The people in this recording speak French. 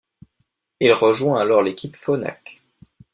Il rejoint alors l'équipe Phonak.